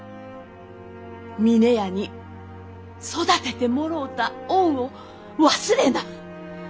峰屋に育ててもろうた恩を忘れな！